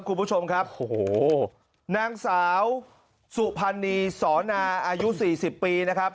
คุณผู้ชมครับโอ้โหนางสาวสุพรรณีสอนาอายุสี่สิบปีนะครับ